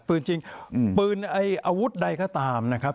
จริงปืนไอ้อาวุธใดก็ตามนะครับ